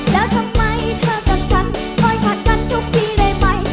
แล้วทำไมเธอกับฉันคอยขัดกันทุกทีได้ไหม